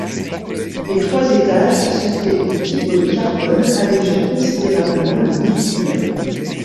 Les trois étages sont faits en fibre de carbone, allégeant considérablement le missile.